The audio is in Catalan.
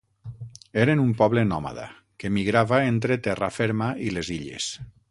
Eren un poble nòmada, que migrava entre terra ferma i les illes.